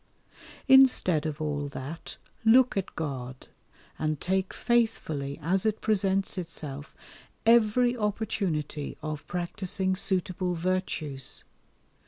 Instead of all that, look at God, and take faithfully as it presents itself every opportunity of practising suitable virtues.